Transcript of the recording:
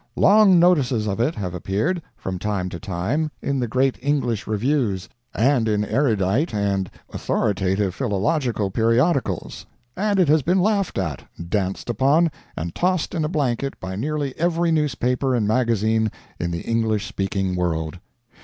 Long notices of it have appeared, from time to time, in the great English reviews, and in erudite and authoritative philological periodicals; and it has been laughed at, danced upon, and tossed in a blanket by nearly every newspaper and magazine in the English speaking world.